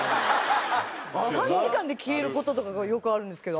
３時間で消える事とかがよくあるんですけど。